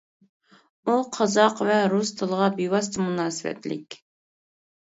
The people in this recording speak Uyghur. ئۇ قازاق ۋە رۇس تىلىغا بىۋاسىتە مۇناسىۋەتلىك.